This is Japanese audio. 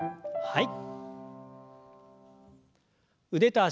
はい。